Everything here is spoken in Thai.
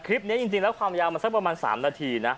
คลิปนี้จริงแล้วความยาวมันสักประมาณ๓นาทีนะ